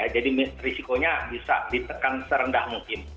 jadi risikonya bisa ditekan serendah mungkin